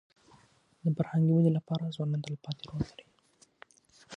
د فرهنګي ودې لپاره ځوانان تلپاتې رول لري.